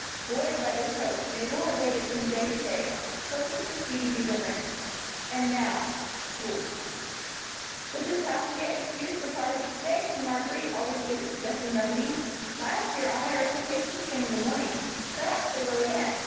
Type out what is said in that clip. Buoyed by this hope, Mabel had waited from day to day, hoping for speedy deliverance. And now, school! "We'll just have to get excused for part of each day," said Marjory, always good at suggesting remedies. "Last year, all my recitations came in the morning; perhaps they will again.